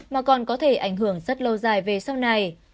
mà còn có thể ảnh hưởng rất lâu dài về sau này